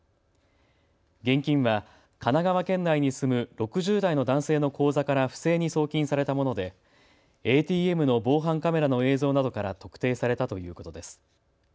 現金は神奈川県内に住む６０代の男性の口座から不正に送金されたものでＡＴＭの防犯カメラの映像などから特定されたということです。